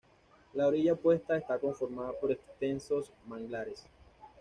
La orilla opuesta está conformada por extensos manglares.